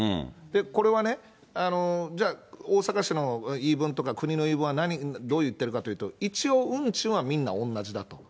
これはね、じゃあ、大阪市の言い分とか国の言い分はどう言ってるかというと、一応、運賃はみんな同じだと。